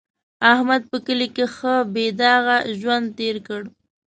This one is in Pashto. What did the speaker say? احمد په کلي کې ښه بې داغه ژوند تېر کړ.